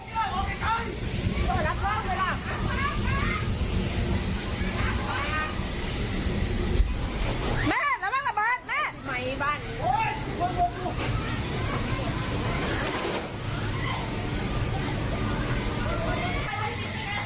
แม่นระบังระบันแม่นไหม้บ้าน